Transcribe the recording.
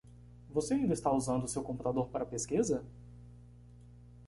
Você ainda está usando seu computador para a pesquisa?